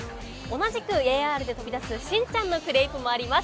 同じくＡＲで飛び出すしんちゃんのクレープもあります。